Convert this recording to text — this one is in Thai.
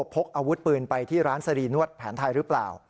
พกอาวุธปืนไปที่ร้านสรีนวดแผนไทยหรือเปล่า